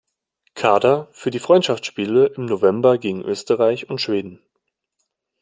Kader für die Freundschaftsspiele im November gegen Österreich und Schweden.